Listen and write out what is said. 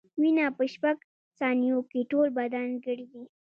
وینه په شپږ ثانیو کې ټول بدن ګرځي.